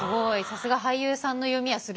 さすが俳優さんの読みは鋭い。